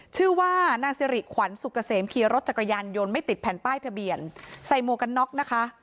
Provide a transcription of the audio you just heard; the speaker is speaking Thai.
ชื่อว่านางสิริขวัญสุกเกษมขี่รถจักรยานยนต์ไม่ติดแผ่นป้ายทะเบียนใส่หมวกกันน็อกนะคะ